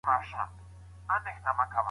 د ځان بسیاینه د هر انسان حق دی.